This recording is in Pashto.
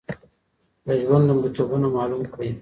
د ژوند لومړيتوبونه معلوم کړئ